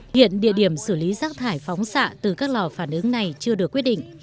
hiện địa điểm xử lý rác thải phóng xạ từ các lò phản ứng này chưa được quyết định